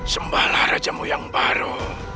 sembalah rajamu yang baru